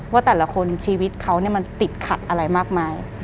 ว่าแต่ละคนชีวิตเขามันติดขัดอะไรมากมาย